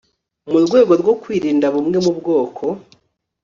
mu rwego rwo kurinda bumwe mu bwoko